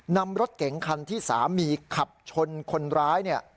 นำรถเก๋งคันที่สามีขับชนคนร้ายเนี่ย